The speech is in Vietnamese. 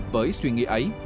với suy nghĩ ấy